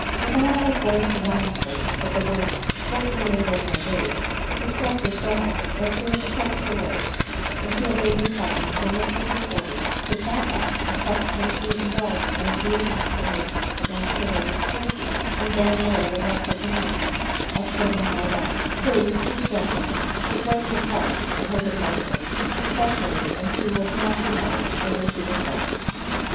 Savanna, was going to remonstrate, but the words, " short remainder of my days," distressed her so much, that tears choked her words ; and she obeyed in silence her mistress's orders to pack up, except when she indulg ed in a few exclamations against her lady's cruelty in going away without taking leaving of Colonel Mordaunt, who, sweet gentleman, would break his heart at her de parture, especially as he was not to know whither she was going.